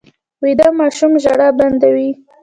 ویده ماشوم ژړا بنده وي